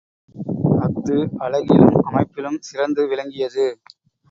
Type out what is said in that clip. அஃது அழகிலும் அமைப்பிலும் சிறந்து விளங்கியது.